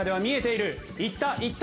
いった！